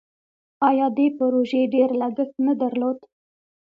آیا دې پروژې ډیر لګښت نه درلود؟